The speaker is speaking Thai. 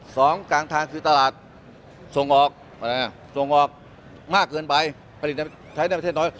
สองกลางทางคือตลาดส่งออกส่งออกมากเกินไปผลิตใช้ในประเทศน้อย